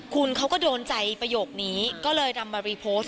คุณเขาก็โดนใจประโยคนี้ก็เลยนำมารีโพสต์